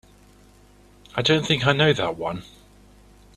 I don't think I know that one.